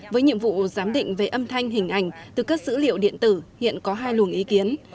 với nhiệm vụ giám định về âm thanh hình ảnh từ các dữ liệu điện tử hiện có hai luồng ý kiến